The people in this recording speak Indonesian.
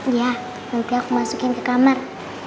iya nanti aku masukin ke kamar